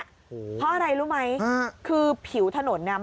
โอ้โหเพราะอะไรรู้ไหมคือผิวถนนเนี่ย